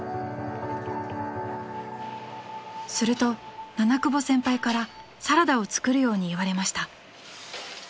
［すると七久保先輩からサラダを作るように言われました］